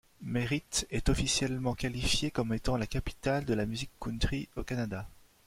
Merritt est officiellement qualifiée comme étant la capitale de la Musique Country au Canada.